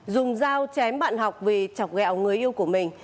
dùng dao chém bạn học vì chọc gẹo người yêu của mình